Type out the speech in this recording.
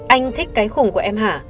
anh thích cái khủng của em hả